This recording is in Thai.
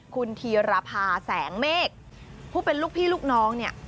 คุณธีรภาแสงเมฆผู้เป็นลูกพี่ลูกน้องเนี่ย